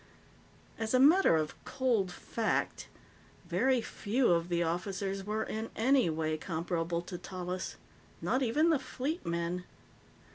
As a matter of cold fact, very few of the officers were in anyway comparable to Tallis not even the Fleet men.